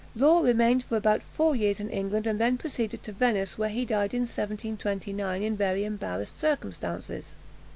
Law remained for about four years in England, and then proceeded to Venice, where he died in 1729, in very embarrassed circumstances.